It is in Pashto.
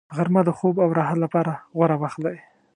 غرمه د خوب او راحت لپاره غوره وخت دی